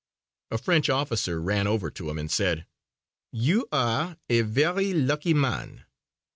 A French officer ran over to him and said: "You are a very lucky man."